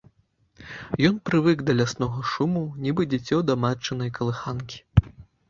Ён прывык да ляснога шуму, нібы дзіцё да матчынай калыханкі.